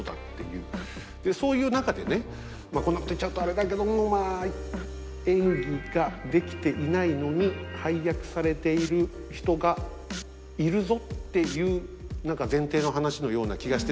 そういう中でねこんなこと言っちゃうとあれだけども「演技ができていないのに配役されている人がいるぞ」っていう何か前提の話のような気がして。